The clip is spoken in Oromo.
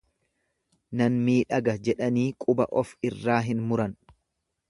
Nan miidhaga jedhanii quba of irraa hin muran.